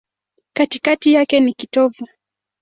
Katikati yake ni kitovu.